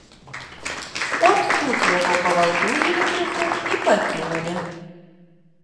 От тут яго павалтузілі крыху і пакінулі.